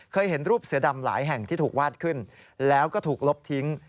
เห็นรูปเสือดำหลายแห่งที่ถูกวาดขึ้นแล้วก็ถูกลบทิ้ง